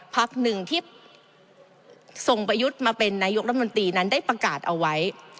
พักหนึ่งที่ส่งประยุทธ์มาเป็นนายกรัฐมนตรีนั้นได้ประกาศเอาไว้